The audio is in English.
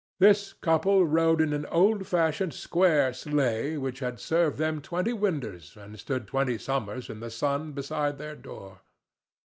This couple rode in an old fashioned square sleigh which had served them twenty winters and stood twenty summers in the sun beside their door.